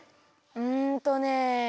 うんとね。